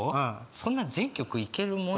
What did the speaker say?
そんな全曲いけるもんなの？